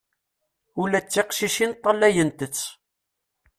Ula d tiqcicin ṭṭalayent-tt.